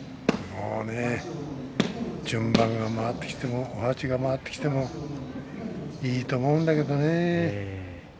順番が回ってきてもおはちが回ってきてもいいと思うんだけどね。